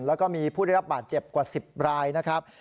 แล้วก็มีผู้ได้รับบาดเจ็บกว่า๑๐รายนะครับ